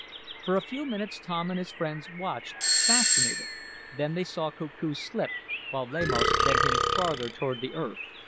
For a few minutes Tom and his friends watched, fascinated. Then they saw Koku slip, while Lamos bent him farther toward the earth.